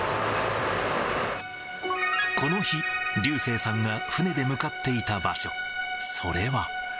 この日、流星さんが船で向かっていた場所、それは。